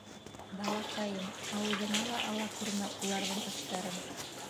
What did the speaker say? — Балаҡайым, ауыҙыңа ла ала күрмә уларҙың аштарын.